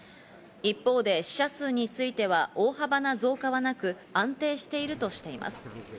一方で死者数については大幅な増加はなく、安定しているとしています。